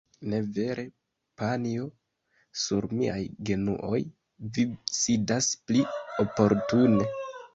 Ne vere panjo? Sur miaj genuoj vi sidas pli oportune.